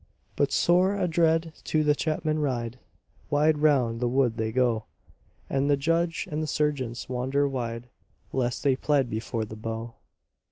But sore adread do the chapmen ride; Wide round the wood they go; And the judge and the sergeants wander wide, Lest they plead before the bow.